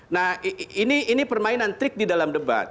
nah ini permainan trik di dalam debat